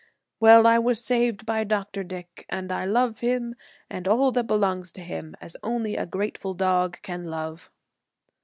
"Well, I was saved by Dr. Dick, and I love him and all that belongs to him as only a grateful dog can love."